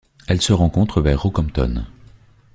Elle se rencontre vers Rockhampton.